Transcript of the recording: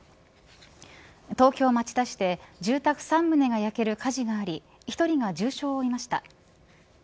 東京、町田市で住宅３棟が焼ける火事があり１人が重傷を負いました。